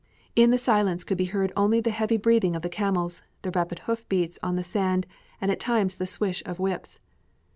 In the silence could be heard only the heavy breathing of the camels, the rapid hoof beats on the sand, and at times the swish of whips.